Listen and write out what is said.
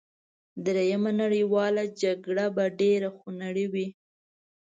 دریمه نړیواله جګړه به ډېره خونړۍ وي